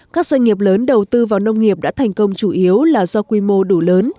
các doanh nghiệp lớn đầu tư vào nông nghiệp đã thành công chủ yếu là do quy mô đủ lớn